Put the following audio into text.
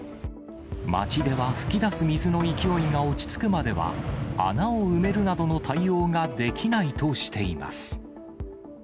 町では噴き出す水の勢いが落ち着くまでは、穴を埋めるなどの対応ができないとしています。